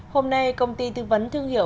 hôm nay công ty tư vấn thương hiệu